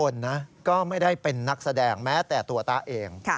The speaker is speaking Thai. แล้วแต่ตัวตะเอง